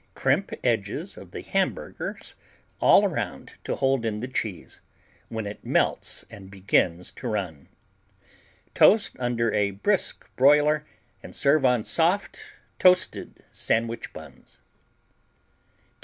Crimp edges of the hamburgers all around to hold in the cheese when it melts and begins to run. Toast under a brisk boiler and serve on soft, toasted sandwich buns.